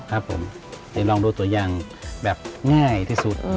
ครับผมเดี๋ยวลองดูตัวอย่างแบบง่ายที่สุด